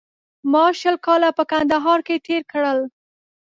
ما شل کاله په کندهار کې تېر کړل